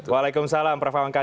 waalaikumsalam prof ham kahak